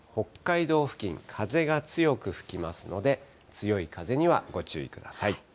北海道付近、風が強く吹きますので、強い風にはご注意ください。